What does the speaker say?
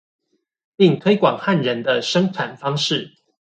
並推廣漢人的生產方式